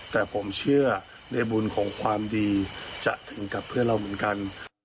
แต่ผมเชื่อในบุญของความดีจะถึงกับเพื่อนเราเหมือนกัน